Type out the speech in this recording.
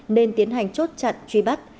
nên tiến hành chốt chặn truy bắt